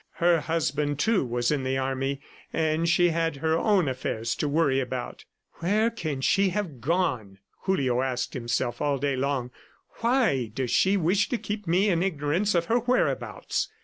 Her husband, too, was in the army and she had her own affairs to worry about. "Where can she have gone?" Julio asked himself all day long. "Why does she wish to keep me in ignorance of her whereabouts?"